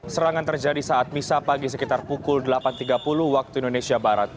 serangan terjadi saat misa pagi sekitar pukul delapan tiga puluh waktu indonesia barat